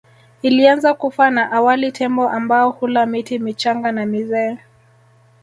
Ilianza kufa na awali Tembo ambao hula miti michanga na mizee